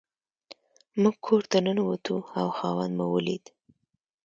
موږ کور ته ننوتو او خاوند مو ولید.